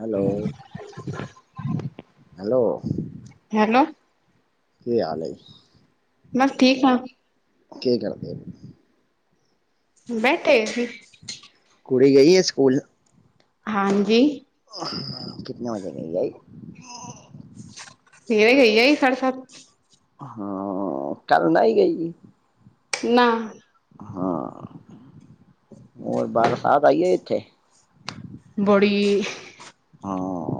Hello hello. Hello ਕੀ ਹਾਲ ਹੈ ਬਸ ਠੀਕ ਆ ਕੇ ਕਰਦੇ ਪਏ ਹੋ ਬੈਠੇ ਸੀ। ਕੁੜੀ ਗਈ ਸਕੂਲ ਹਾਂਜੀ ਕਿੰਨੇ ਵਜੇਗ ਆਈ ਸਵੇਰੇ ਗਈ ਸਾਠੇ ਸੱਤ ਹਾਂ ਕੱਲ ਨਹੀਂ ਗਈ ਨਾ ਹਾਂ ਹੋਰ ਬਰਸਾਤ ਆਈਏ ਇੱਥੇ ਬੜੀ ਹਾਂ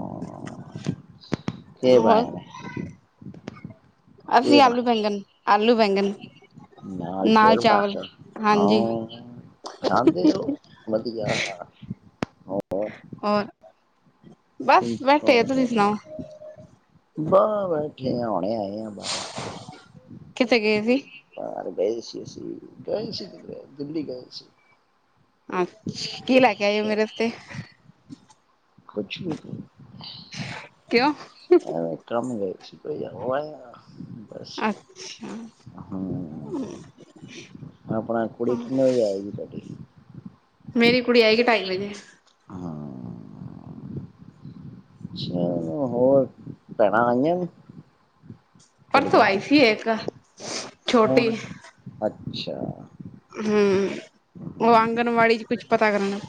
ਇਹ ਤੇ ਹੈ ਵੈ ਹੋਰ ਕੀ ਅਸੀਂ ਆਲੂ ਬਣਾਇਆ ਬੈਗਣ ਆਲੂ ਬੈਗਣ ਨਾਲ ਚੋਲ ਤੇ ਖਾਂਦੇ ਹੋ ਵਧੀਆ। ਹੋਰ ਬਸ ਬੈਠੇ ਆ ਤੁਸੀਂ ਸੁਣਾਓ। ਬਸ ਬੈਠੇ ਆ ਹੁਣੇ ਆਏ ਆ ਬਾਹਰੋਂ। ਕਿਥੇ ਗਏ ਸੀ ਘਰ ਗਏ ਸੀ ਅਸੀ ਗਏ ਸੀ ਕਿਤੇ ਦਿੱਲੀ ਗਏ ਸੀ। ਅੱਛਾ ਕੀ ਲੈ ਕੇ ਆਇਓ ਮੇਰੇ ਵਾਸਤੇ ਕੁਛ ਨੀ ਕਿਉਂ? ਐਵੇਂ ਕੰਮ ਗਏ ਸੀ ਹੋ ਆਏ ਹਾ। ਅੱਛਾ ਆਪਣਾ ਕੁੜੀ ਕਿੰਨੇ ਵਜੇ ਆਏਗੀ ਤੁਹਾਡੀ ਮੇਰੀ ਕੁੜੀ ਆਏਗੀ ਢਾਈ ਵਜੇ ਹਾਂ ਅੱਛਾ ਹੋਰ ਭੈਣਾਂ ਆਈਆਂ। ਪਰਸੋਂ ਤੁਹਾਡੀਆਂ ਆਈ ਸੀ ਇੱਕ ਛੋਟੀ ਹੁਣ ਅੱਛਾ ਹਮ ਉਹ ਹਾਂ, ਆਂਗਣਵਾੜੀ ਚ ਕੁਛ ਪਤਾ ਕਰਨ।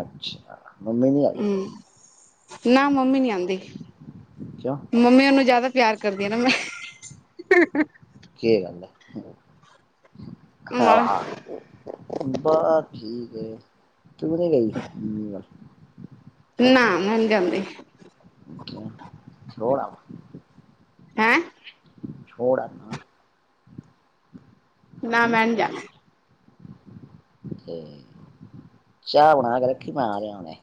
ਅੱਛਾ ਮੰਮੀ ਨੀ ਆਈ। ਹਮ ਨਾ ਮੰਮੀ ਨੀ ਆਉਂਦੀ ਕਿਉਂ ਮੰਮੀ ਨੂੰ ਜਿਆਦਾ ਪਿਆਰ ਕਰਦੀ ਹੈ ਨਾ ਮੈਂ ਕੀ ਗੱਲ ਹੈ ਆਹ ਮੈਂ ਆ ਬਸ ਠੀਕ ਤੂੰ ਨੀ ਗਈ ਨਾ ਮੈ ਨੀ ਜਾਂਦੀ। [inaudible] ਹੈਂ ਛੋੜ ਅਨਾ ਨਾ ਹਮ ਮੈਂ ਨੀ ਜਾਣਾ ਤੇ ਚਾਹ ਬਣਾ ਕੇ ਰੱਖੀ ਮੈਂ ਆ ਰਿਹਾ ਹੁਣੇ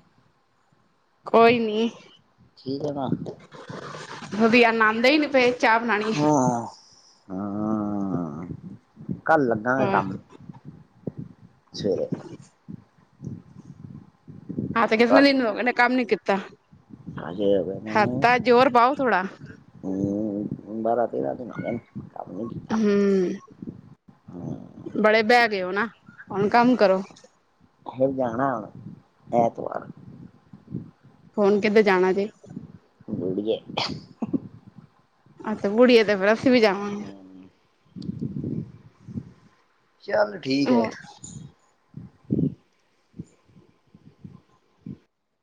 ਕੋਈ ਨੀ ਠੀਕ ਏ ਨਾ ਵਧੀਆ ਆਉਂਦੇ ਹੀ ਨੀ ਪਏ ਚਾਹ ਬਣਾਉਣੀ ਹੈ। ਹਮ ਕੱਲ ਲੱਗਾ ਗੇ ਹੈ ਕੰਮ ਸਵੇਰੇ ਹਾਂ ਕਿੰਨੇ ਘਰ ਦਿਨ ਹੋਗੇ ਨੇ ਕੰਮ ਨੀ ਕੀਤਾ ਹਜੇ ਹੋ ਗਏ ਨੇ ਹਫਤਾ ਜ਼ੋਰ ਪਾਓ ਥੋੜਾ ਹਮ ਬਾਰਾਂ ਤੇਰਾ ਦਿਨ ਕੰਮ ਨੀ ਕੀਤਾ ਹਮ ਹਮ ਬੜੇ ਬਹਿ ਗਏ ਹੋ ਨਾ ਹੁਣ ਕੰਮ ਕਰੋ। ਹੇ ਜਾਣਾ ਹੁਣ ਐਤਵਾਰ ਹੁਣ ਕਿਤੇ ਜਾਣਾ ਜੇ ਵਧੀਆ ਅੱਛਾ ਬੁੜੀਏ ਤੇ ਫੇਰ ਅਸੀਂ ਵੀ ਜਾਵਾਂਗੇ ਚੱਲ ਠੀਕ ਏ [inaudible]